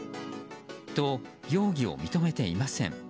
と、容疑を認めていません。